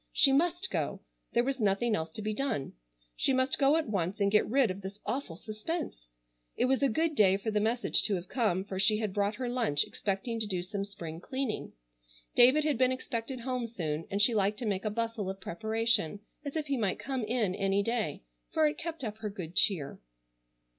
She must go. There was nothing else to be done. She must go at once and get rid of this awful suspense. It was a good day for the message to have come, for she had brought her lunch expecting to do some spring cleaning. David had been expected home soon, and she liked to make a bustle of preparation as if he might come in any day, for it kept up her good cheer.